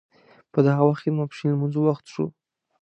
په دغه وخت کې د ماپښین لمانځه وخت شو.